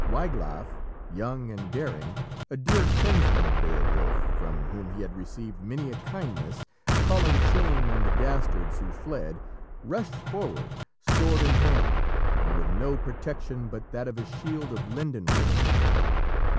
Wiglaf, young and daring, a dear kinsman of Beowulf, from whom he had received many a kindness, calling shame on the dastards who fled, rushed forward, sword in hand, and with no protection but that of his shield of linden wood.